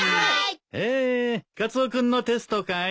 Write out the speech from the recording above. へえカツオ君のテストかい？